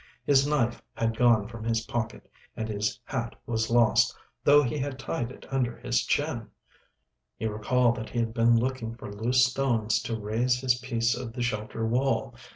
His knife had gone from his pocket and his hat was lost, though he had tied it under his chin. He recalled that he had been looking for loose stones to raise his piece of the shelter wall.